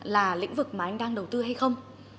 là lĩnh vực mà anh đang đầu tư hay không